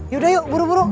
yaudah yuk buru buru